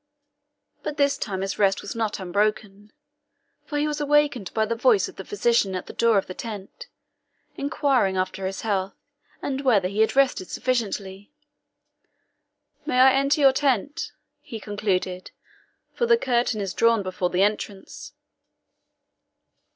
But this time his rest was not unbroken, for he was awakened by the voice of the physician at the door of the tent, inquiring after his health, and whether he had rested sufficiently. "May I enter your tent?" he concluded, "for the curtain is drawn before the entrance."